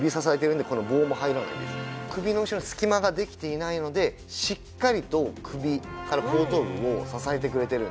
首の後ろに隙間ができていないのでしっかりと首から後頭部を支えてくれてるんですね。